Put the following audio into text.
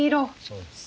そうです。